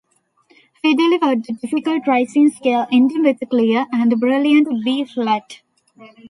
He delivered the difficult rising scale ending with a clear and brilliant B flat.